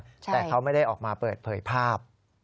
แต่เขาไม่ได้ออกมาเปิดเผยภาพ